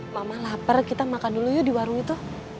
mama lapar kita makan dulu yuk di warung itu